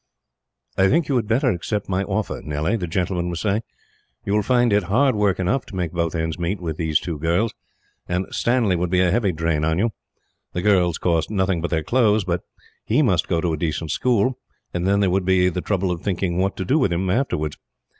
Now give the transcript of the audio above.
"I think you had better accept my offer, Nellie," the gentleman was saying. "You will find it hard work enough to make both ends meet, with these two girls; and Stanley would be a heavy drain on you. The girls cost nothing but their clothes; but he must go to a decent school, and then there would be the trouble of thinking what to do with him, afterwards.